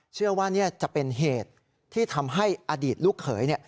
เชื่อว่านี่จะเป็นเหตุที่ทำให้อดีตลูกเขย